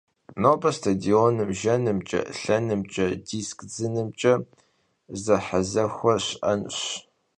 Nobe stadionım jjenımç'e, lhenımç'e, disk dzınımç'e zehezexue şı'enuş.